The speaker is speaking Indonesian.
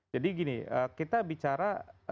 jadi gini kita bicara